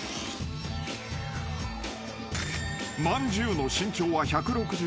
［まんじゅうの身長は１６５ｃｍ］